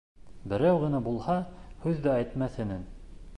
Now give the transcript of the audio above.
Берәү генә булһа, һүҙ ҙә әйтмәҫ инең.